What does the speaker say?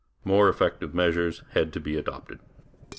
More effective measures had to be adopted.